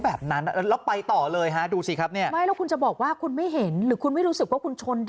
แบบนั้นแล้วไปต่อเลยฮะดูสิครับเนี่ยไม่แล้วคุณจะบอกว่าคุณไม่เห็นหรือคุณไม่รู้สึกว่าคุณชน